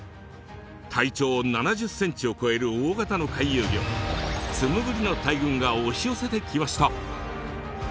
体長７０ｃｍを超える大型の回遊魚ツムブリの大群が押し寄せてきました。